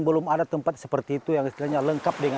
belum ada tempat seperti itu yang istilahnya lengkap dengan